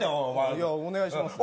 いや、お願いします。